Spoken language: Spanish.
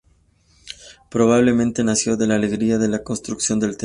Probablemente nació de la alegría de la construcción del templo.